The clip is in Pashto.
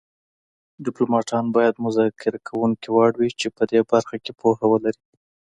ډیپلوماتان باید مذاکره کوونکي وړ وي چې په دې برخه کې پوهه ولري